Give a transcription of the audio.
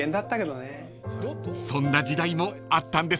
［そんな時代もあったんですね］